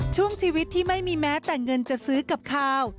ช่วงชีวิตที่ไม่มีแม้แต่เงินจะซื้อกับข้าว